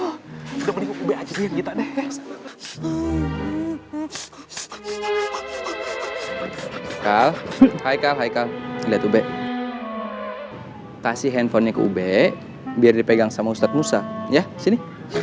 hai hai hai lihat ube kasih handphonenya ke ube biar dipegang sama ustadz musa ya sini